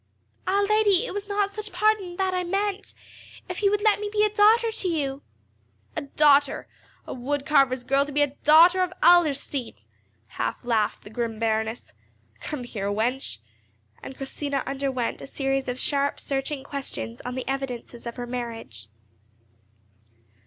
"Ah, lady, it was not such pardon that I meant. If you would let me be a daughter to you." "A daughter! A wood carver's girl to be a daughter of Adlerstein!" half laughed the grim Baroness. "Come here, wench," and Christina underwent a series of sharp searching questions on the evidences of her marriage.